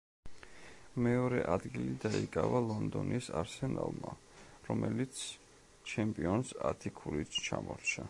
მეორე ადგილი დაიკავა ლონდონის „არსენალმა“, რომელიც ჩემპიონს ათი ქულით ჩამორჩა.